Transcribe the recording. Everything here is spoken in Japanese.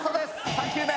３球目。